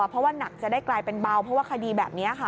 เพราะว่านักจะได้กลายเป็นเบาเพราะว่าคดีแบบนี้ค่ะ